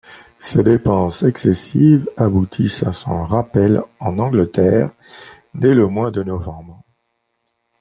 Ses dépenses excessives aboutissent à son rappel en Angleterre dès le mois de novembre.